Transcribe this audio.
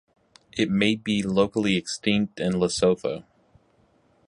It may be locally extinct in Lesotho.